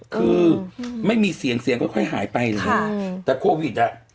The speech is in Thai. คือไม่มีเสียงเสียงค่อยหายไปเลยแต่โควิดอ่ะ